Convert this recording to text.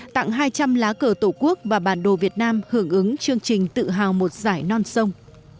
tặng hai trăm linh lá cờ tổ quốc và bản đồ việt nam hưởng ứng chương trình tự hào một giải non sông